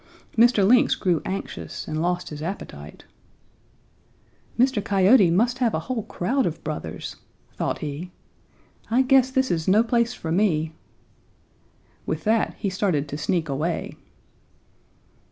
Mr. Lynx grew anxious and lost his appetite. 'Mr. Coyote must have a whole crowd of brothers,' thought he. 'I guess this is no place for me!' With that he started to sneak away.